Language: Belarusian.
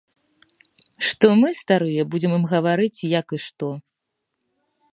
Што мы, старыя, будзем ім гаварыць, як і што.